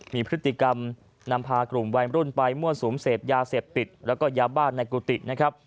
มีพฤติกรรมนำพากลุ่มวัยรุ่นไปมั่วสุมเสพยาเสพติดแล้วก็ยาบ้านในกุฏินะครับ